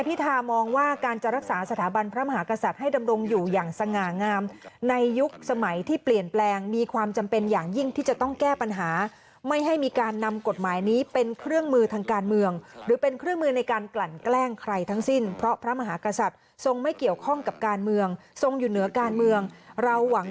พิธามองว่าการจะรักษาสถาบันพระมหากษัตริย์ให้ดำรงอยู่อย่างสง่างามในยุคสมัยที่เปลี่ยนแปลงมีความจำเป็นอย่างยิ่งที่จะต้องแก้ปัญหาไม่ให้มีการนำกฎหมายนี้เป็นเครื่องมือทางการเมืองหรือเป็นเครื่องมือในการกลั่นแกล้งใครทั้งสิ้นเพราะพระมหากษัตริย์ทรงไม่เกี่ยวข้องกับการเมืองทรงอยู่เหนือการเมืองเราหวัง